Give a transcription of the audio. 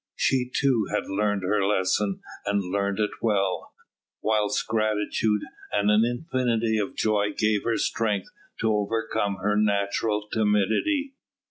She, too, had learned her lesson, and learned it well, whilst gratitude and an infinity of joy gave her strength to overcome her natural timidity.